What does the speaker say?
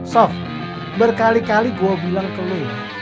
sof berkali kali gue bilang ke lu ya